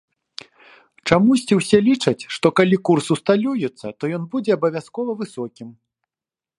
Чамусьці ўсе лічаць, што калі курс усталюецца, то ён будзе абавязкова высокім.